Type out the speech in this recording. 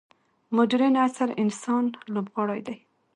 مډرن عصر انسان لوبغاړی دی.